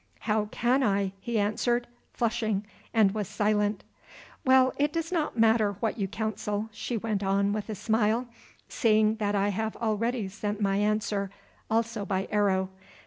"How can I?" he answered, flushing, and was silent. "Well, it does not matter what you counsel," she went on with a smile, "seeing that I have already sent my answer, also by arrow.